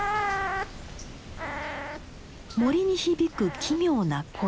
森に響く奇妙な声。